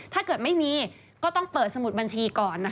ถ้าเกิดไม่มีก็ต้องเปิดสมุดบัญชีก่อน